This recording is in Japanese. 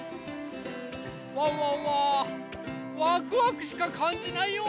ワンワンはワクワクしかかんじないよ！